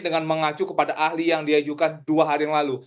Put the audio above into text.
dengan mengacu kepada ahli yang diajukan dua hari yang lalu